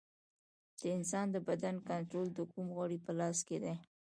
د انسان د بدن کنټرول د کوم غړي په لاس کې دی